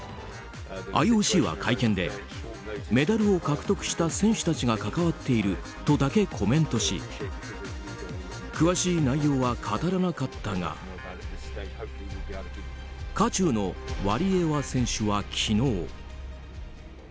ＩＯＣは会見でメダルを獲得した選手たちが関わっているとだけコメントし詳しい内容は語らなかったが渦中のワリエワ選手は昨日。